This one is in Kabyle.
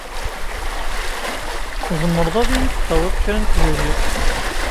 Tzemreḍ ad yi-d-tawiḍ kra n tduli?